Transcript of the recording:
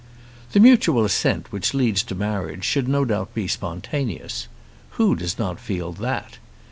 The mutual assent which leads to marriage should no doubt be spontaneous. Who does not feel that?